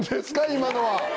今のは。